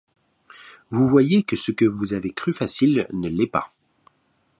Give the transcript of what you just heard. Vous voyez que ce que vous avez cru facile ne l’est pas.